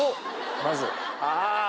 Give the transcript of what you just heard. まずあぁ！